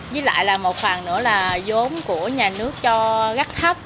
với lại là một phần nữa là giống của nhà nước cho rất thấp